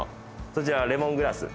そちらレモングラス。